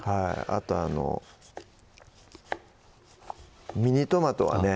あとあのミニトマトはね